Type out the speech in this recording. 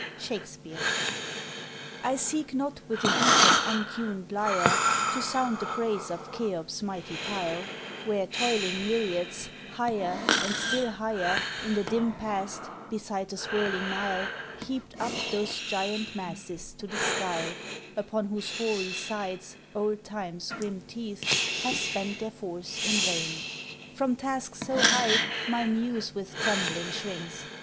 SHAKESPEARE. I seek not with a weak and untuned lyre To sound the praise of Cheop's mighty pile, Where toiling myriads, higher and still higher, In the dim past, beside the swirling Nile, Heaped up those giant masses to the sky, Upon whose hoary sides old Time's grim teeth Have spent their force in vain. From task so high My muse with trembling shrinks.